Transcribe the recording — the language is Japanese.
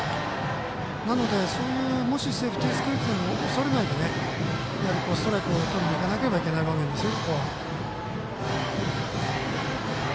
なので、そういうセーフティースクイズも恐れないでストライクをとりにいかなきゃいけない場面ですよ。